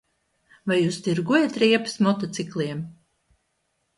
Vai jūs tirgojat riepas motocikliem?